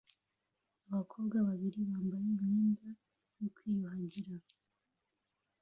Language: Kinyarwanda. Abakobwa babiri bambaye imyenda yo kwiyuhagira